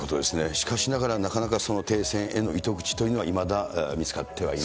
しかしながら、なかなかその停戦への糸口というのはいまだ、見つかってはいない。